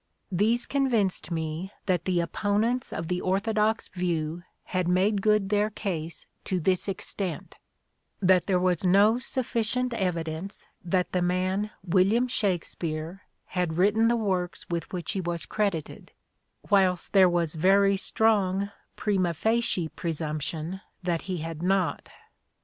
These convinced me that the opponents of the orthodox view had made good their case to this extent, that there was no sufficient evidence that the man William Shakspere had written the works with which he was credited, whilst there was a very strong prima facie presumption that he had not.